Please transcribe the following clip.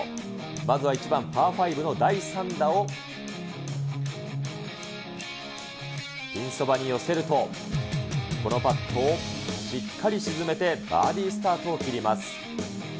まずは１番、パー５の第３打を、ピンそばに寄せると、このパットをしっかり沈めて、バーディースタートを切ります。